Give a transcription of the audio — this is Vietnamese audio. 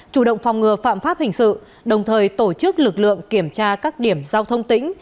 chủ động phòng ngừa phạm pháp hình sự đồng thời tổ chức lực lượng kiểm tra các điểm giao thông tỉnh